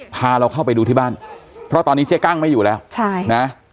พาเราเข้าไปดูที่บ้านเพราะตอนนี้เจ๊กั้งไม่อยู่แล้วใช่นะ